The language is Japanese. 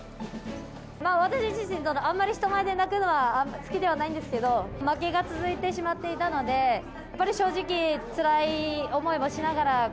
私自身、あんまり人前で泣くのは好きではないんですけど、負けが続いてしまっていたので、やっぱり正直、つらい思いもしながら。